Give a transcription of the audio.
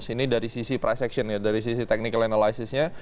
ini dari sisi price action ya dari sisi technical analysisnya